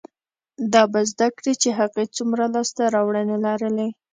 دا به زده کړي چې هغې څومره لاسته راوړنې لرلې،